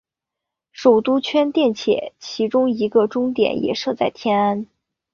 首都圈电铁其中一个终站也设在天安。